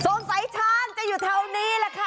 ช้างจะอยู่แถวนี้แหละค่ะ